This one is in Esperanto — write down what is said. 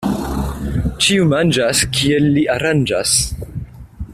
Ĉiu manĝas, kiel li aranĝas.